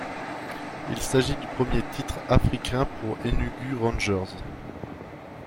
Il s'agit du premier titre africain pour Enugu Rangers.